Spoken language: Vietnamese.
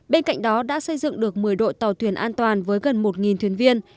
bên cạnh đó đã xây dựng được một mươi đội tàu thuyền an toàn với gần một thuyền viên